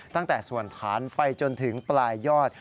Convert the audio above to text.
ตั้งแต่ส่วนฐานไปจนถึงปลายยอด